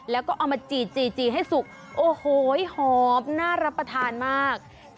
แล้วก็เอามาจีดจีจีให้สุกโอ้โหหอมน่ารับประทานมาก